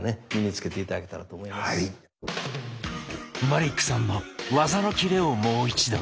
マリックさんの技のキレをもう一度。